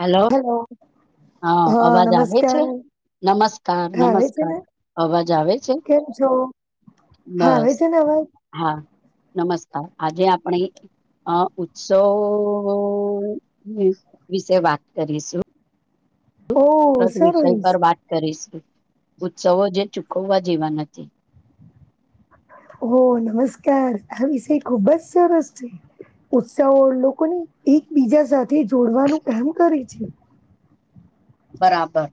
Hello hello હા અવાજ આવે છે. હા નમસ્કાર આવે છે નમસ્કાર ને અવાજ આવે છે. કેમ છો હા આવે બસ છે ને અવાજ હા નમસ્કાર આજે આપણે. અ ઉત્સવ વિશે વાત કરીશું. ઓ તત વિષય સરસ પર વાત કરીશ ઉત્સવો જે ચૂકવવા જેવા નથી ઓ નમસ્કાર આ વિષય ખુબ જ સરસ છે. ઉત્સાહ લોકોને એકબીજા સાથે જોડવાનું કામ કરે છે. બરાબર.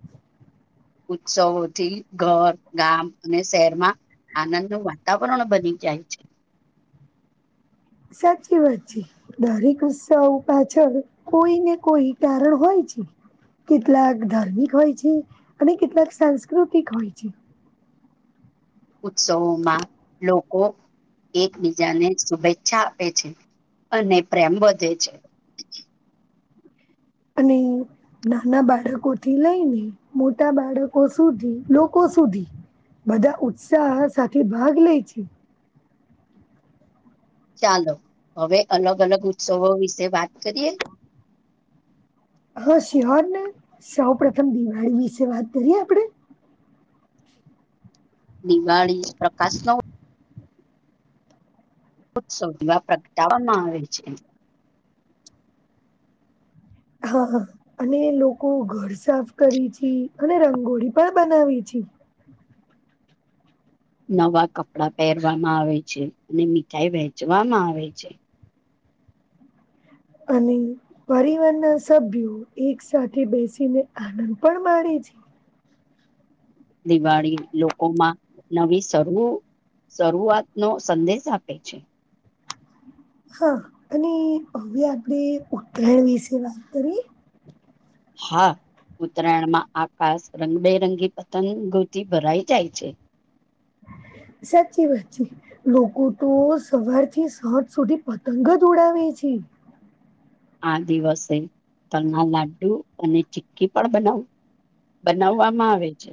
ઉત્સવથી ઘર ગામ અને શહેરમાં. આનંદ ન વાતાવરણ બની જાય છે. સાચી વાત છે દારીક ઉસ્સાઓ પાછળ કોઈ ને કોઈ કારણ હોય. કેટલાક ધાર્મિક હોય છે અને કેટલાક સાંસ્કૃતિક હોય છે. ઉત્સવોમાં લોકો. એકબીજાને શુભેચ્છા આપે છે અને પ્રેમ વધે છે. [inaudible] અને. નાના બાળકોથી લઈને મોટા બાળકો સુધી લોકો સુધી. બધા ઉત્સાહ સાથે ભાગ લે છે. ચાલો હવે અલગ અલગ ઉત્સવો વિશે વાત કરીએ. હા શ્યોહરને સૌ પ્રથમ દિવાળી વિશે વાત કરીએ આપણેે. દિવાળી પ્રકાશ ન. ઉત્સોધમાં પ્રગટાવવામાં આવે છે. હા અને લોકો ઘર સાફ કરી છે અને રંગોળી પણ બનાવી છે. પી. નવા કપડાં પહેરવામાં આવે છે અને મીઠાઈ વહેચવામાં આવે છે. અને પરિવાર ના સભ્યો એક સાથે બેસીને આનંદ પણ મા. જી. દિવાળી લોકોમાં નવી શરૂ શરૂઆત નો સંદેશ આપે છે હા અને હવે આપણે ઉત્તરાણ વિશે વાત કરી હા ઉત્તરાયણમાં આકાશ રંગબેરંગી પતંગોતી ભરાઈ જાય છે હ સાચી વાતચી લોકો તો સવાર થી સાઠ સુધી પતંગ જ ઉડાવે છે. [inaudible] આ દિવસે તલના લાડ્ડુ અને ચી્કી પણ બનાવું બનાવવામાં આવે છે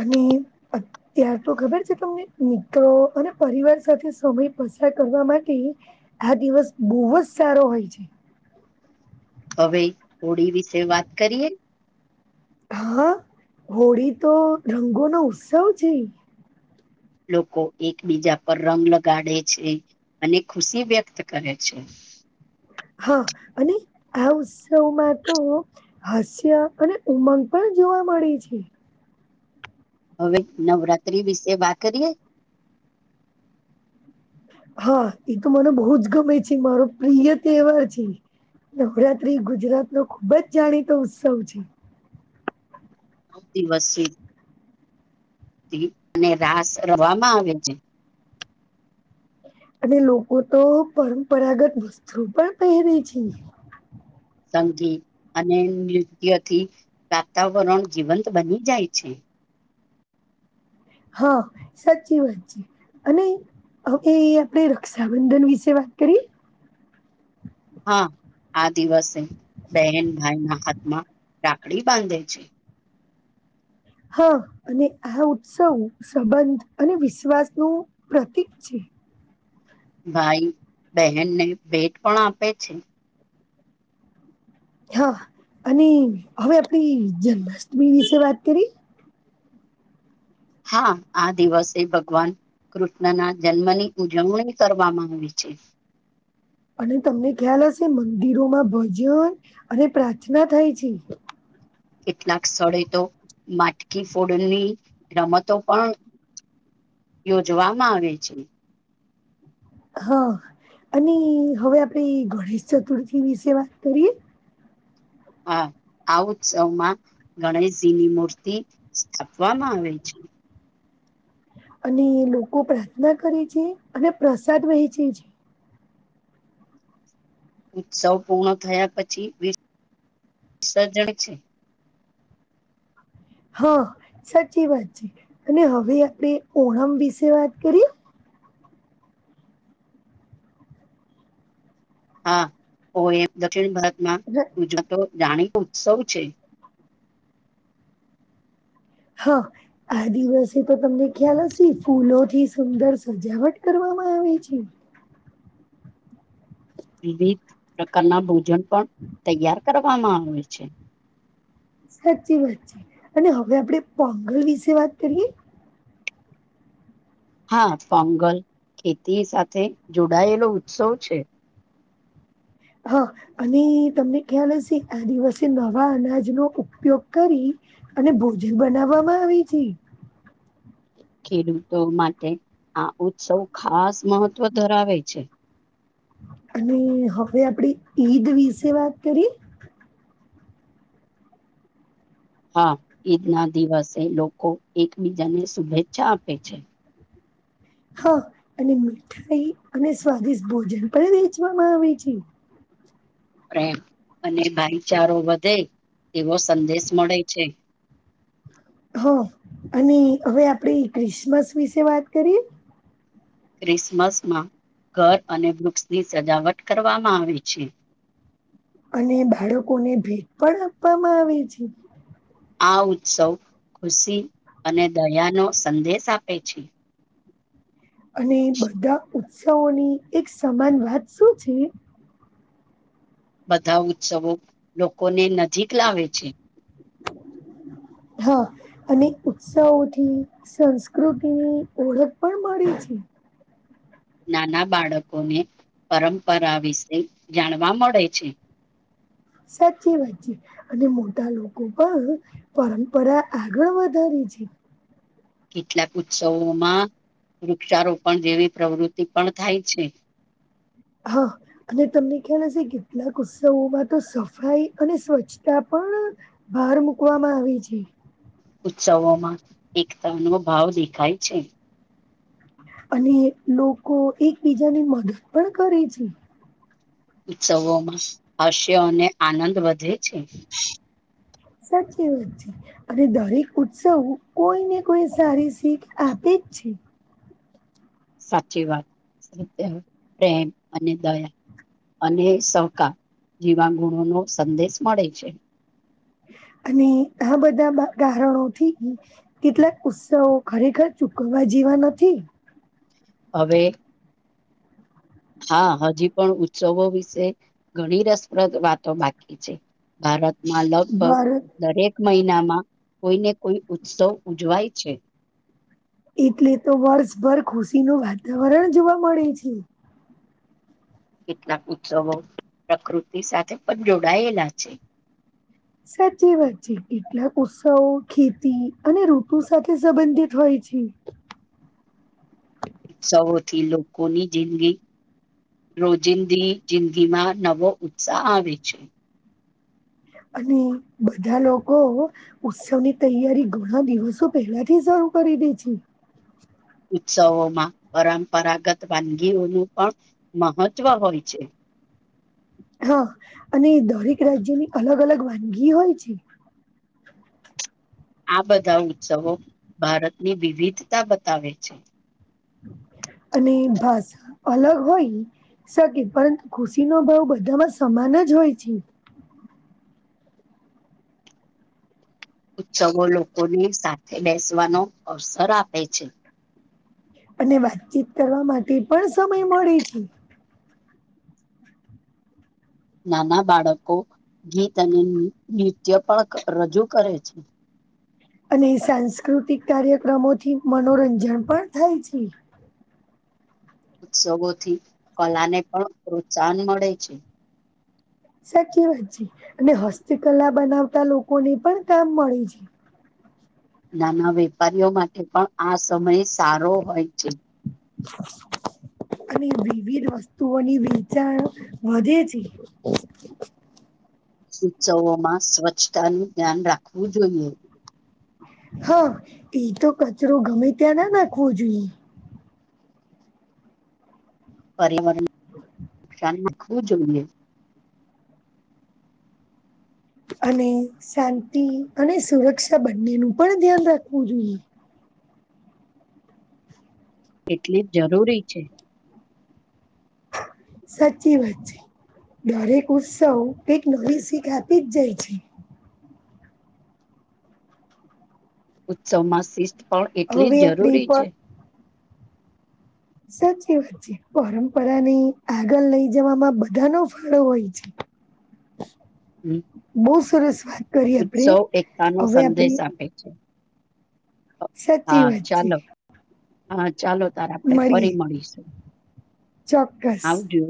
અને અત્યાર તો ખબર છે તમને મિત્રો અને પરિવાર સાથે સમય કરવા માટે આ દિવસ બહુ જ સારો હોય છે. હવે હોળી વિશે વાત કરીએ હા હોળી તો રંગો નો ઉત્સવ છે. લોકો એકબીજા પર રંગ લગાડે છે અને ખુશી વ્યક્ત કરે છે [inaudible] હા અને આ ઉત્સવમાં તો હાસ્ય અને ઉમંગ પણ જોવા મળે છે હવે નવરાત્ર્રી વિશે વાત કરીએ હા એ તો મને બહુ જ ગમે છે મારો પ્રિય તહેવાર છે. નવરાત્રી ગુજરાત નો ખુબ જ જાણીતો ઉત્સવ છે. દિવસ અને રાસ રવામાં આવે છે. અને લોકો તો પરંપરાગત વસ્ત્રુ પણ પહેરે છે. સંગીત અને નૃત્યથી વાતાવરણ જીવંત બની જાય છે. હા સાચી વાત છે અને. હ એ આપણેે રક્ષાબંધન વિશે વાત કરીએ. હા આ દિવસે બહેન ભાઈના માં રાાકડી બાંધે છે. હા અને આ ઉત્સવ સંબંધ અને વિશ્વાસ નું પ્રતીિક છે. ભાઈ બહેનને ભેટ પણ આપે છે. હા અને હવે આપડી જન્માષ્ટમી વિશે વાત કરી હા આ દિવસે ભગવાન કૃષ્ણના જન્મની ઉજવણી કરવામાં આવી છે. અને તમને ખ્યાલ હશે મંદિરોમાં ભજન અને પ્રાર્થના થાય છે. કેટલાક સ્થળે તો માટકી ફોડણની રમતો પણ યોજવામાં આવે છે. હા અને હવે આપણે ગણેશ ચતુર્થી વિશે વાત કરીએ. હા આ ઉત્સવમાં ગણેશજીની મૂર્તિ સ્થાપવામાં આવે છે. અને લોકો પ્રાર્થના કરે છે અને પ્રસાદ વહેંચે છે. ઉત્સવ પૂર્ણ થયા પછી વિસર્જન છે. હા સાચી વાત છે અને હવે આપણે ઓણમ વિશે વાત કરીએ હા ઓ એ દક્ષિણ ભારતમાં અને ઉજવતો. જાણે કે ઉત્સવ છે. હા આદિવાસે તો તમને ખ્યાલ હશે ફૂલો થી સુંદર સજાવટ કરવા. મા આવે છે. વિવિધ પ્રકારના ભોજન પણ તૈયાર કરવામાં આવે છે. સાચી વાત છે અને હવે આપડે પોંગલ વિશે વાત કરીએ. હા પોંગલ ખેતી સાથે જોડાયેલો ઉત્સવ છે. [inaudible] હા અને તમને ખ્યાલ હશે આ દિવસે નવા અનાજનોો ઉપયોગ કરી. અને ભોજન બનાવવામાં આવે છે [inaudible] ખેડૂતો માટે આ ઉત્સવ ખાસ મહત્વ ધરાવે છે. અને હવે આપડી ઈદ વિશે વાત કરીએ. હા ઈદના દિવસે લોકો એકબીજાને શુભેચ્છા આપે છે. હા અને મીઠાઈ અને સ્વાદિષ્ટ ભોજન પણ વેચવામાં આવે છે. પ્રેમ અને ભાઈચારો વધે એવો સંદેશ મળે છે. [inaudible] હ અને હવે આપણે ક્રિસમસ વિશે વાત કરીએ. ક્રિસમસમાં ઘર અને વૃક્ષની સજાવટ કરવામાં આવે છે. [inaudible] અને બાળકોને ભેટ પણ આપવામાં આવે છે. આ ઉત્સવ ખુશી અને દયાનો સંદેશ આપે છે. અને બધા ઉત્સવોની એક સમાન વાત શું છે. બધા ઉત્સવો લોકોને નજીક લાવે છે. હા અને ઉત્સાહોથી સંસ્કૃતિની ઓળખ પણ મળી છે. ઓઠ. નાના બાળકોને પરંપરા વિશે જાણવા મળે છે. [inaudible] સાચી વાતચી અને મોટા લોકો પણ પરંપરા આગળ વધારી જી કેટલાક ઉત્સવોમાં વૃક્ષારોપણ જેવી પ્રવૃત્તિ પણ થાય છે હા અને તમને ખ્યાલ હશે કેટલાક ઉત્સવોમાં તો સફાઈ અને સ્વચ્છતા પણ પણ બાર મકવામાં આવી છે ઉત્સવોમાં એકતા નો ભાવ દેખાય છે અને લોકો એકબીજાની મદદ પણ કરે છે ઉત્સવોમાં હાસ્ય અને આનંદ વધે છે સાચી વાત છે અને દરેક ઉત્સવ કોઈ ને કોઈ સારી શીખ આપે પીછી સાચી વાત સત્ય પ્રેમ અને દયા અને સહકા જેવા ગુણોનો સંદેશ મળે છે અને આ બધા કારણો થી કેટલાક ઉત્સવો ખરેખર ચૂકવવા જ જીવાન નથી હવે હા હજી પણ ઉત્સવો વિશે ઘણી રસપ્રદ વાતો બાકી છે ભારતમાં લગભગ ભારત દરેક મહિનામાં કોઈને કોઈ ઉત્સવ ઉજવાય છે એટલે તો વર્ષભર ખુશીનું વાતાવરણ જોવા મળે છે કેટલાક ઉત્સવો પ્રકૃતિ સાથે પણ જોડાયેલા છે સાચી વાત છે કેટલાક ઉત્સવો ખેતી અને ઋતુ સાથે સંબંધિત હોય જી ઉત્સવોથી લોકોની જિંદગી રોજિંદી જિંદગીમાં નવો ઉત્સાહ આવે છે અને બધા લોકો ઉત્સવની તૈયારી ઘણા દિવસો પેલા થી જ શું કરી દે છે [inaudible] ઉત્સવમાં પરંપરાગત વાનગીઓનું પણ મહત્વ હોય છે હા અને દરેક રાજ્યની અલગ અલગ વાનગી હોય છે [inaudible] આ બધા ઉત્સવો ભારતની વિવિધતા બતાવે છે [inaudible] અને ભાષા અલગ હોય સકે પરંતુ ખુશીનોો ભાવ બધામાં સમાન જ હોય છે ઉત્સવો લોકોની સાથે બેસવાનો અવસર આપે છે અને વાતચીત કરવા માટે પણ સમય મળે છે. નાના બાળકો ગીત અને નૃત્ય પણ રજૂ કરે છે. અને સાંસ્કૃતિક કાર્યક્રમોથી મનોરંજન પણ થાય છે. ઉત્સગોથી કલાને પણ પ્રોત્સાહન મળે છે. સાચી વાત છે અને હસ્તકલા બનાવતા લોકોને પણ કામ મળે છે. નાના વેપારીઓ માટે પણ આ સમય સારો હોય છે. [inaudible] અને વિવિધ વસ્તુઓની વેચાણ વધે છે. [inaudible] ઉત્સવોમાં સ્વચ્છતાનું ધ્યાન રાખવું જોઈએ. હા એતો કચરો ગમે ત્યાં ના નાખવો જોઈએ પર્યાવરણ નુકસાન રાખવું જોઈએ અને શાંતિ અને સુરક્ષા બંનેનું પણ ધ્યાન રાખવું જોઈએ એટલી જ જરૂરી છે. સાચી વાત છે. દરેક ઉત્સવ કક નવી શીખ આપી જ જાય છે. ઉત્સવમાં શિસ્ત પણ એટલી હવે જ આપડી જરૂરી પર છે. સાચી વાત છે પરંપરાની આગળ લઈ જવામાં બધાનો ફાળો હોય છે. [inaudible] હ બહુ સરસ વાત કરી આપડે ઉત્સવ એકતા નો હવે સંદેશ આપડી આપે છે સાચી હા વાત છે. ચાલો હા ચાલો તાર આપણે ફરી મળીએ મળીશું ચોક્કસ આવજો